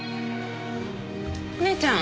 お姉ちゃん？